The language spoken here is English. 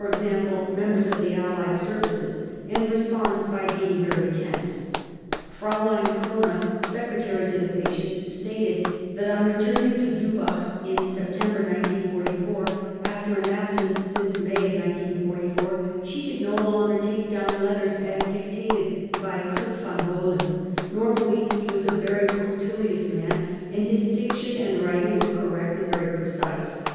g., members of the Allied services, and responds by being very tense. Frl. Krone, secretary to the patient, stated that on returning to Blühbach in September 1944, after an absence since May 1944, she could no longer take down letters as dictated by Krupp von Bohlen. Normally he was a very punctilious man, and his diction and writing were correct and very precise.